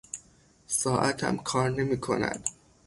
ساعتم کار نمیکند.